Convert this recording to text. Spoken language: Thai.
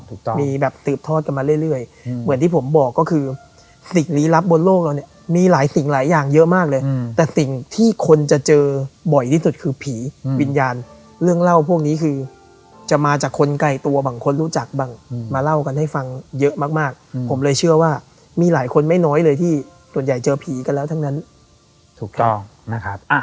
ถูกต้องมีแบบสืบทอดกันมาเรื่อยเหมือนที่ผมบอกก็คือสิ่งลี้ลับบนโลกเราเนี่ยมีหลายสิ่งหลายอย่างเยอะมากเลยแต่สิ่งที่คนจะเจอบ่อยที่สุดคือผีวิญญาณเรื่องเล่าพวกนี้คือจะมาจากคนไกลตัวบางคนรู้จักบ้างมาเล่ากันให้ฟังเยอะมากผมเลยเชื่อว่ามีหลายคนไม่น้อยเลยที่ส่วนใหญ่เจอผีกันแล้วทั้งนั้นถูกต้องนะครับ